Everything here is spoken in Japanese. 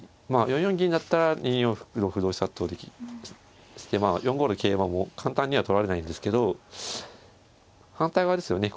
４四銀だったら２四歩同歩同飛車として４五の桂馬も簡単には取られないんですけど反対側ですよね。